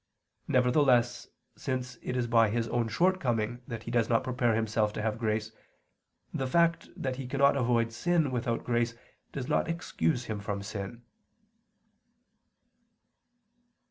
Nevertheless, since it is by his own shortcoming that he does not prepare himself to have grace, the fact that he cannot avoid sin without grace does not excuse him from sin.